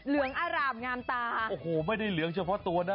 เหลืองอร่ามงามตาโอ้โหไม่ได้เหลืองเฉพาะตัวนะ